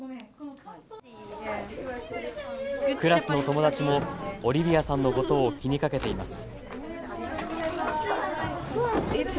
クラスの友達もオリビアさんのことを気にかけています。